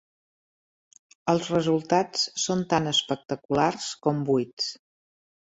Els resultats són tan espectaculars com buits.